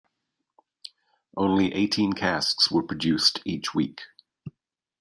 Only eighteen casks are produced each week.